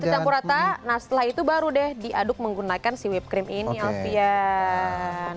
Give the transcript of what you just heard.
dicampur rata nah setelah itu baru deh diaduk menggunakan si whippe cream ini alfian